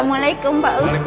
assalamualaikum pak ustaz